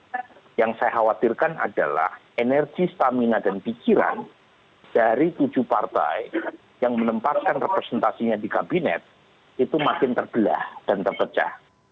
nah yang saya khawatirkan adalah energi stamina dan pikiran dari tujuh partai yang menempatkan representasinya di kabinet itu makin terbelah dan terpecah